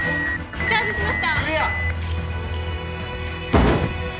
チャージしました。